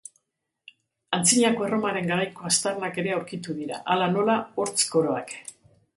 Antzinako Erromaren garaiko aztarnak ere aurkitu dira, hala nola, hortz-koroak.